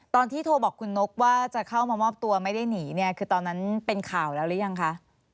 ตอนที่โทรบอกคุณนกว่าจะเข้ามามอบตัวไม่ได้หนีเนี่ยคือตอนนั้นเป็นข่าวแล้วหรือยังคะ